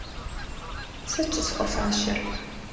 - Сыт щӏысхуэфащэр?